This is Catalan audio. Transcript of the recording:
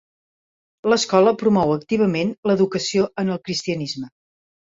L'escola promou activament l'educació en el Cristianisme.